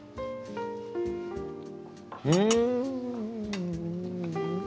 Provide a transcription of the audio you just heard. うん！